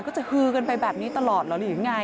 ก็จะฮือกันไปแบบนี้ตลอดหรืออย่างไร